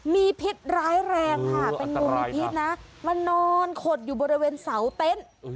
มีพิษร้ายแรงค่ะเป็นงูมีพิษนะมานอนขดอยู่บริเวณเสาเต็นต์